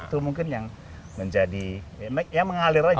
itu mungkin yang menjadi ya mengalir aja